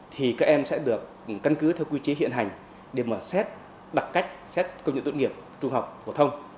thì các em sẽ được căn cứ theo quy chế hiện hành để mà xét đặc cách xét công nhận tốt nghiệp trung học phổ thông